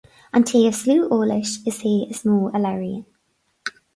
An té is lú eolais is é is mó a labhraíonn